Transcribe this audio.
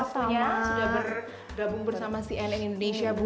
sudah bergabung bersama si nn indonesia bu